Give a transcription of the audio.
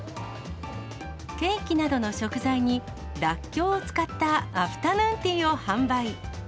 ケーキなどの食材にらっきょうを使ったアフタヌーンティーを販売。